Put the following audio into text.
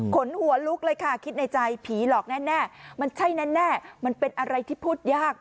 ขนหัวลุกเลยค่ะคิดในใจผีหลอกแน่มันใช่แน่มันเป็นอะไรที่พูดยาก